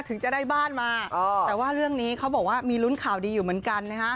ถึงจะได้บ้านมาแต่ว่าเรื่องนี้เขาบอกว่ามีลุ้นข่าวดีอยู่เหมือนกันนะฮะ